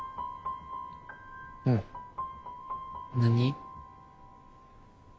うん何？